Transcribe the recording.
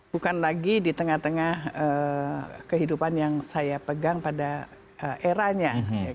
bukan lagi di tengah tengah kehidupan yang saya pegang pada eranya